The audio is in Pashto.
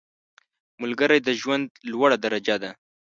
ملګری د ژوند لوړه درجه ده